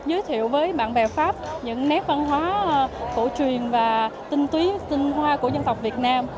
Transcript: giới thiệu với bạn bè pháp những nét văn hóa cổ truyền và tinh túy tinh hoa của dân tộc việt nam